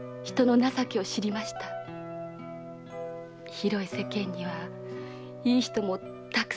広い世間にはいい人も沢山いる。